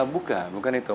bukan bukan itu